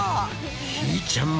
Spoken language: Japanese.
ひーちゃんも。